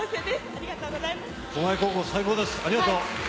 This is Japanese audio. ありがとう。